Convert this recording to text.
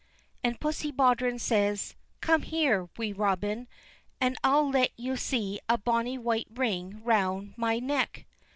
And Pussie Baudrons says: "Come here, Wee Robin, and I'll let you see a bonny white ring round my neck."